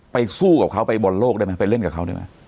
ไปสู้กับเขาไปบรรโลกได้มั้ยไปเล่นกับเขาได้มั้ย